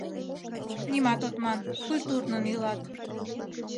Нимат от ман, культурнын илат.